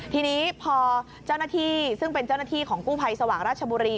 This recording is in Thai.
ทีนี้พอเจ้าหน้าที่ซึ่งเป็นเจ้าหน้าที่ของกู้ภัยสว่างราชบุรี